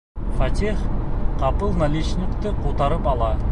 Фәтих ҡапыл наличникты ҡутарып ала.